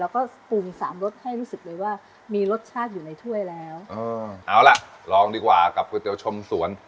แล้วก็ปรุงสามรสให้รู้สึกเลยว่ามีรสชาติอยู่ในถ้วยแล้วเออเอาล่ะลองดีกว่ากับก๋วยเตี๋ยวชมสวน